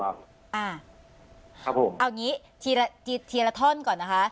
อ่าครับผมเอางี้ทีละทีละท่อนก่อนนะคะ